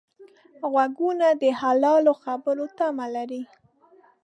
غوږونه د حلالو خبرو تمه لري